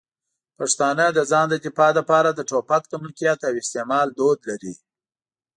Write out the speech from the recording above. پښتانه د ځان د دفاع لپاره د ټوپک د ملکیت او استعمال دود لري.